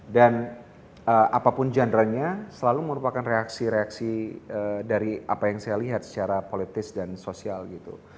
dan apapun genre nya selalu merupakan reaksi reaksi dari apa yang saya lihat secara politis dan sosial gitu